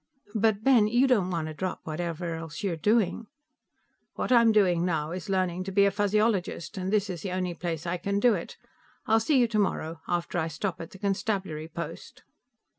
"But, Ben, you don't want to drop whatever else you're doing " "What I'm doing, now, is learning to be a Fuzzyologist, and this is the only place I can do it. I'll see you tomorrow, after I stop at the constabulary post."